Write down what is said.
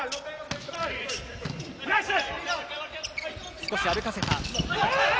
少し歩かせた。